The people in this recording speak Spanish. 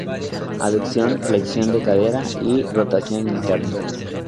Aducción, flexión de cadera y rotación interna